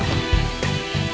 saya yang menang